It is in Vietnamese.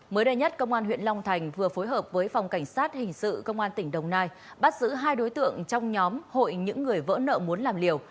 mới đây nhất công an huyện long thành vừa phối hợp với phòng cảnh sát hình sự công an tỉnh đồng nai bắt giữ hai đối tượng trong nhóm hội những người vỡ nợ muốn làm liều